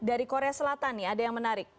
dari korea selatan nih ada yang menarik